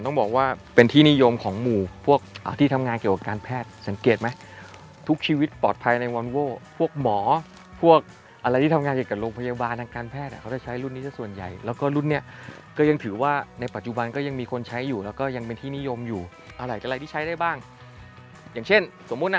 ต้องบอกว่าเป็นที่นิยมของหมู่พวกที่ทำงานเกี่ยวกับการแพทย์สังเกตไหมทุกชีวิตปลอดภัยในวอนโว้พวกหมอพวกอะไรที่ทำงานเกี่ยวกับโรงพยาบาลทางการแพทย์เขาจะใช้รุ่นนี้สักส่วนใหญ่แล้วก็รุ่นเนี้ยก็ยังถือว่าในปัจจุบันก็ยังมีคนใช้อยู่แล้วก็ยังเป็นที่นิยมอยู่อะไรกับอะไรที่ใช้ได้บ้างอย่างเช่นสมมุติอ่ะ